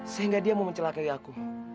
sehingga dia mau mencelakai aku